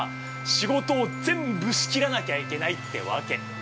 仕事を全部仕切らなきゃいけないってわけ。